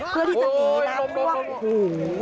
เพื่อที่จะหนีน้ำนั่ว